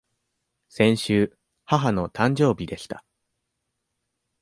先週、母の誕生日でした。